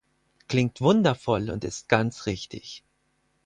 Klingt wundervoll und ist ganz richtig.